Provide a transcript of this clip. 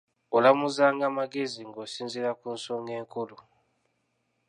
Olamuzanga magezi ng’osinziira ku nsonga enkulu.